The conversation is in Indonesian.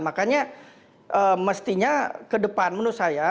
makanya mestinya ke depan menurut saya